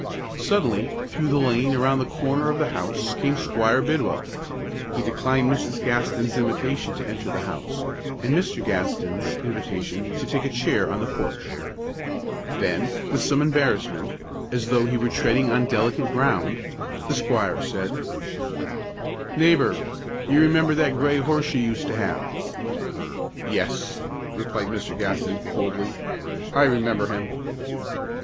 Suddenly through the lane around the corner of the house came Squire Bidwell. He declined Mrs. Gaston's invitation to enter the house, and Mr. Gaston's invitation to take a chair on the porch. Then with some embarrassment, as though he were treading on delicate ground, the squire said, "Neighbor, you remember that gray horse you used to have?" "Yes," replied Mr. Gaston, coldly. "I remember him."